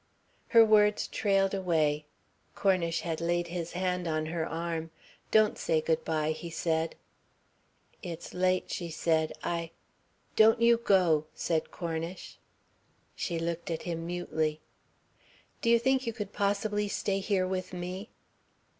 Her words trailed away. Cornish had laid his hand on her arm. "Don't say good bye," he said. "It's late," she said, "I " "Don't you go," said Cornish. She looked at him mutely. "Do you think you could possibly stay here with me?"